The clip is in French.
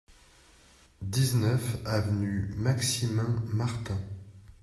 dix-neuf avenue Maximin Martin